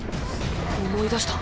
思い出した。